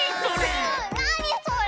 なにそれ？